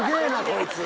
こいつ。